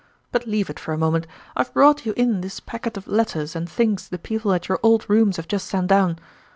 But leave it for a moment; I've brought you in this packet of letters and things the people at your old rooms have just sent down.